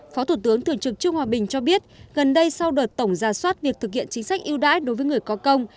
phó thủ tướng thường trực trương hòa bình cho biết gần đây sau đợt tổng ra soát việc thực hiện chính sách yêu đãi đối với người có công